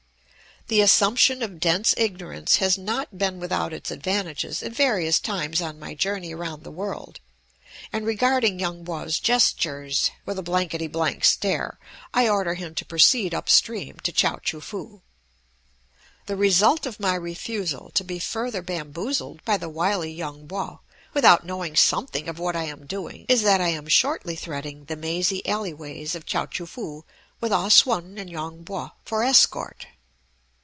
The assumption of dense ignorance has not been without its advantages at various times on my journey around the world, and regarding Yung Po's gestures with a blankety blank stare, I order him to proceed up stream to Chao choo foo. The result of my refusal to be further bamboozled by the wily Yung Po, without knowing something of what I am doing, is that I am shortly threading the mazy alleyways of Chao choo foo with Ah Sum and Yung Po for escort.